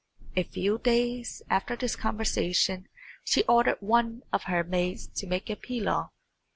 A few days after this conversation she ordered one of her maids to make a pilaw.